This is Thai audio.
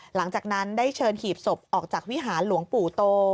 หลังจากนั้นได้เชิญหีบศพออกจากวิหารหลวงปู่โต